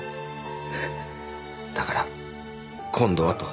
だから今度はと。